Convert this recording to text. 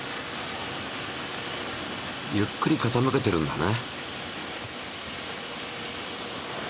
ゆっくりかたむけてるんだね。